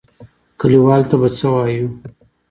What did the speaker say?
کليوالو ته به څه وايو.